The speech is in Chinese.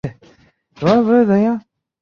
与万树友善。